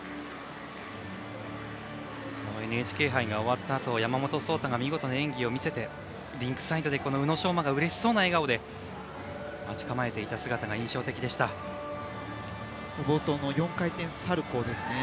ＮＨＫ杯が終わったあと山本草太が見事な演技を見せてリンクサイドで宇野昌磨がうれしそうな笑顔で待ち構えていた姿が冒頭の４回転サルコウ。